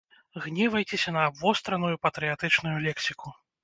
Гневайцеся на абвостраную патрыятычную лексіку.